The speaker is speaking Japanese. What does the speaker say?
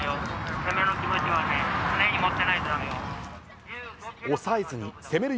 攻めの気持ちは常に持ってないとだめよ。